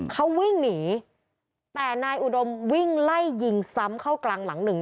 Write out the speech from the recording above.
เขาวิ่งหนีแต่นายอุดมวิ่งไล่ยิงซ้ำเข้ากลางหลังหนึ่ง